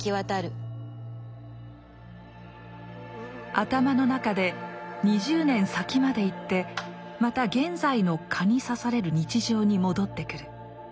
頭の中で２０年先まで行ってまた現在の蚊に刺される日常に戻ってくる。